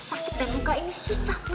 sakit dan luka ini susah